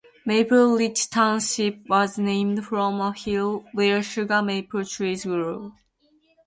Maple Ridge Township was named from a hill where sugar maple trees grew.